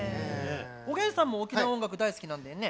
おげんさんも沖縄音楽大好きなんだよね。